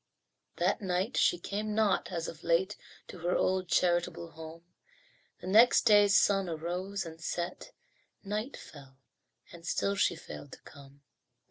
That night she came not, as of late, To her old, charitable home; The next day's sun arose and set, Night fell and still she failed to come.